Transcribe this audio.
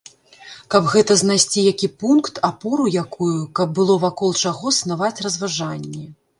Каб гэта знайсці які пункт, апору якую, каб было вакол чаго снаваць разважанні.